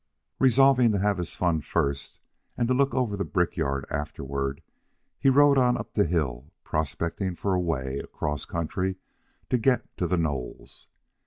Resolving to have his fun first, and to look over the brickyard afterward, he rode on up the hill, prospecting for a way across country to get to the knolls.